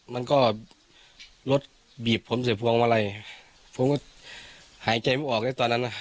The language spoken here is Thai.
มันก็รถบีบผมเสียพวงมาลัยผมก็หายใจไม่ออกแล้วตอนนั้น